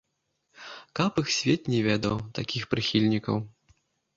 Каб іх свет не ведаў, такіх прыхільнікаў!